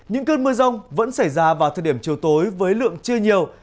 những cơn mưa rông vẫn xảy ra vào thời điểm chiều tối với lượng chưa nhiều